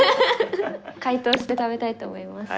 解凍して食べたいと思います。